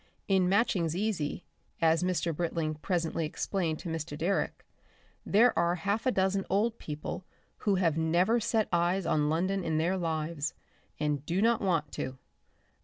In Matching's Easy, as Mr. Britling presently explained to Mr. Direck, there are half a dozen old people who have never set eyes on London in their lives and do not want to.